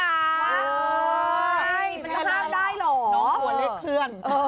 มันจะห้ามได้หรอน้องตัวเลขเคลื่อน